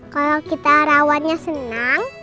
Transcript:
kalau kita rawannya senang